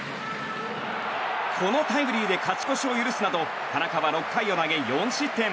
このタイムリーで勝ち越しを許すなど田中は６回を投げ、４失点。